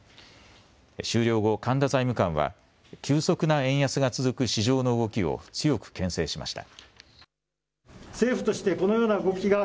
終了後、神田財務官は急速な円安が続く市場の動きを強くけん制しました。